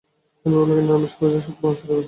হারানবাবু কহিলেন, আপনি সুচরিতাকে সৎপরামর্শ দেবেন না?